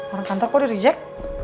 orang kantor kok di reject